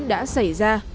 đã xảy ra